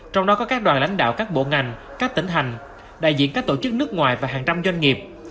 trong đó có các đoàn lãnh đạo các bộ ngành các tỉnh hành đại diện các tổ chức nước ngoài và hàng trăm doanh nghiệp